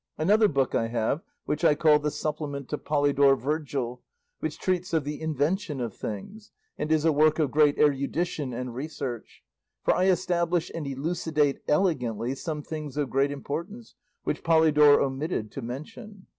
Another book I have which I call 'The Supplement to Polydore Vergil,' which treats of the invention of things, and is a work of great erudition and research, for I establish and elucidate elegantly some things of great importance which Polydore omitted to mention.